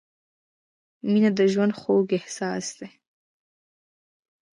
• مینه د ژوند خوږ احساس دی.